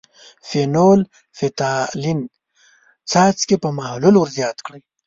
فینول – فتالین څاڅکي په محلول ور زیات کړئ.